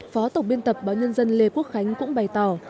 phó tổng biên tập báo nhân dân lê quốc khánh cũng bày tỏ